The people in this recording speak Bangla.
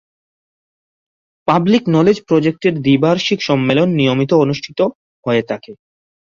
পাবলিক নলেজ প্রজেক্টের দ্বিবার্ষিক সম্মেলন নিয়মিত অনুষ্ঠিত হয়ে থাকে।